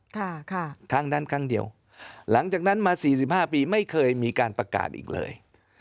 ค่ะค่ะครั้งนั้นครั้งเดียวหลังจากนั้นมาสี่สิบห้าปีไม่เคยมีการประกาศอีกเลย